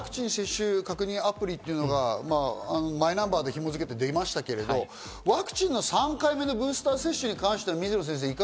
ワクチン接種確認アプリというのがマイナンバーで紐づけてできましたけど、ワクチン、３回目のブースター接種に関しては水野先生